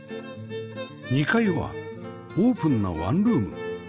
２階はオープンなワンルーム